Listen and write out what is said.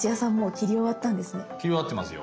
切り終わってますよ。